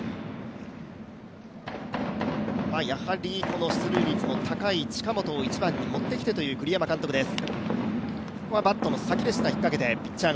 この出塁率の高い近本を１番に持ってきてという、栗山監督です。